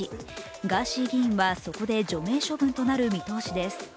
ガーシー議員はそこで除名処分となる見通しです。